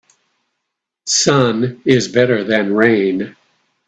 Sun is better than rain.